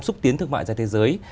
xúc tiến thương mại ra thế giới